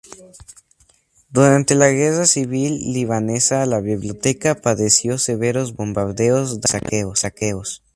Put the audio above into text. Durante la Guerra Civil Libanesa la biblioteca padeció severos bombardeos, daños y saqueos.